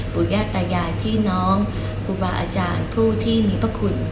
ญาติตายายพี่น้องครูบาอาจารย์ผู้ที่มีพระคุณ